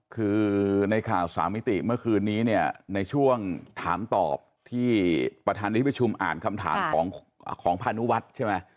คือในข่าวสามมิติเมื่อคืนนี้เนี่ยในช่วงถามตอบที่ประธานที่ประชุมอ่านคำถามของพานุวัฒน์ใช่ไหม